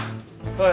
はい。